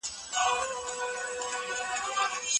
امکان لري چي دا کتاب دروغ وي.